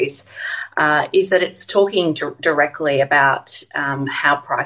adalah bahwa ia berbicara secara langsung tentang bagaimana harga berjaya